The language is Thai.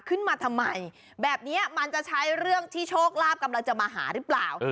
ขึ้นมาทำไมแบบนี้มันจะใช้เรื่องที่โชคลาภกำลังจะมาหาหรือเปล่า